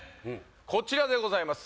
こちらでございます